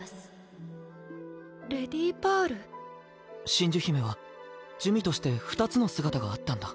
真珠姫は珠魅として二つの姿があったんだ。